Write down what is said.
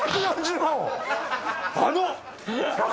「あの！」